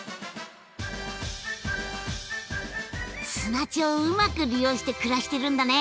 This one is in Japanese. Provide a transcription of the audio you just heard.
砂地をうまく利用して暮らしてるんだね！